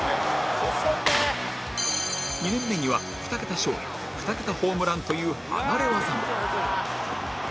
２年目には２桁勝利２桁ホームランという離れ技も